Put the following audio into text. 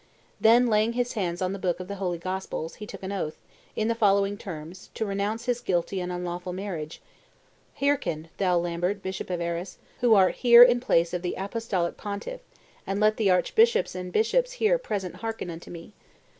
Then laying his hand on the book of the holy Gospels, he took an oath, in the following terms, to renounce his guilty and unlawful marriage: 'Hearken, thou Lambert, bishop of Arras, who art here in place of the Apostolic Pontiff; and let the archbishops and bishops here present hearken unto me.